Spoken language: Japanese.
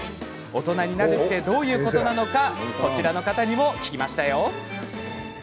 大人になるとはどういうことなのかこちらの方にも聞いてみました。